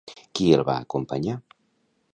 Qui el va acompanyar?